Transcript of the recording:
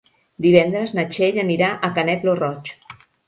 Divendres na Txell anirà a Canet lo Roig.